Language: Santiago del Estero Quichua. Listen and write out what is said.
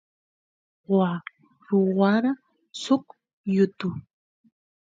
waa ruwara suk yutu